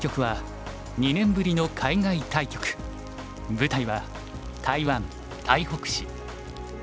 舞台は台湾・台北市。